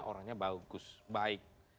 orangnya bagus baik